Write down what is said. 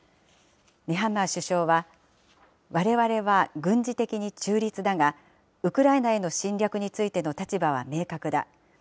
ネハンマー首相は、われわれは軍事的に中立だが、ウクライナへの侵略についての立場は明確だ。